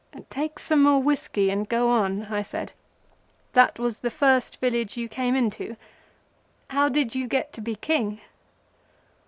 "Take some more whiskey and go on," I said. "That was the first village you came into. How did you get to be King?"